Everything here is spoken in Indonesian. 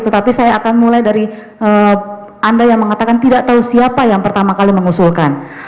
tetapi saya akan mulai dari anda yang mengatakan tidak tahu siapa yang pertama kali mengusulkan